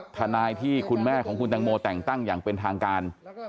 ทนายที่คุณแม่ของคุณตังโมแต่งตั้งอย่างเป็นทางการ